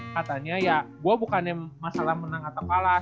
katanya ya gue bukannya masalah menang atau kalah